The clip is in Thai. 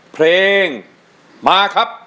เพลงมาครับ